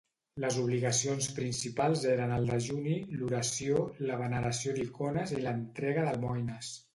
Les obligacions principals eren el dejuni, l'oració, la veneració d'icones i l'entrega d'almoines.